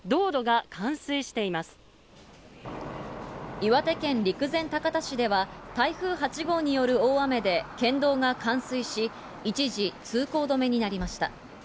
岩手県陸前高田市では、台風８号による大雨で県道が冠水し、一時通行止めになりました。